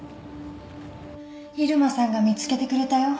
入間さんが見つけてくれたよ